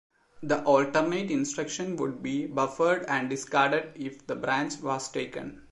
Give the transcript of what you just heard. The alternate instruction would be buffered and discarded if the branch was taken.